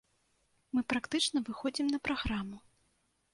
Мы практычна выходзім на праграму.